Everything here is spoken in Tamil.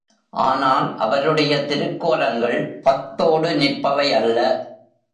ஆனால் அவருடைய திருக்கோலங்கள் பத்தோடு நிற்பவை அல்ல.